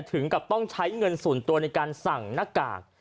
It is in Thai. ถึงกับต้องใช้เงินส่วนตัวในการสั่งหน้ากาก